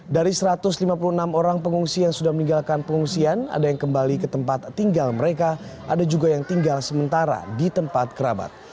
dari satu ratus lima puluh enam orang pengungsi yang sudah meninggalkan pengungsian ada yang kembali ke tempat tinggal mereka ada juga yang tinggal sementara di tempat kerabat